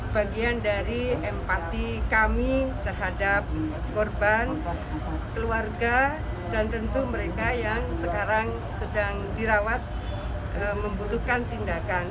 bagian dari empati kami terhadap korban keluarga dan tentu mereka yang sekarang sedang dirawat membutuhkan tindakan